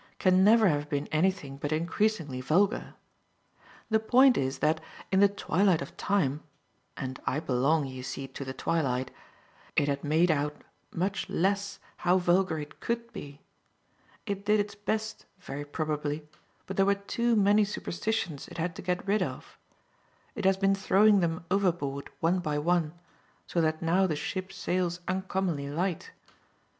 can never have been anything but increasingly vulgar. The point is that in the twilight of time and I belong, you see, to the twilight it had made out much less how vulgar it COULD be. It did its best very probably, but there were too many superstitions it had to get rid of. It has been throwing them overboard one by one, so that now the ship sails uncommonly light.